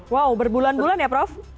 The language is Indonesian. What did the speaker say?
wow berbulan bulan ya prof